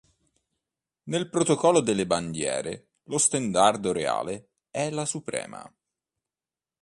Nel protocollo delle bandiere, lo Stendardo Reale è la suprema.